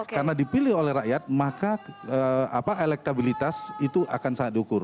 karena dipilih oleh rakyat maka elektabilitas itu akan sangat diukur